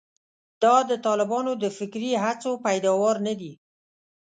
دا د طالبانو د فکري هڅو پیداوار نه دي.